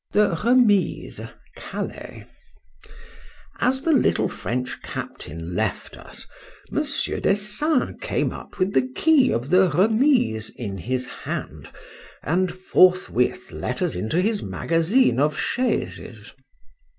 THE REMISE. CALAIS. As the little French captain left us, Mons. Dessein came up with the key of the Remise in his hand, and forthwith let us into his magazine of chaises.